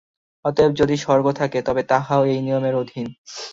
অতএব যদি স্বর্গ থাকে, তবে তাহাও এই নিয়মের অধীন।